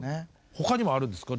他にもあるんですか？